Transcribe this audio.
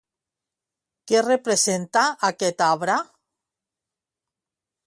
Què representa aquest arbre?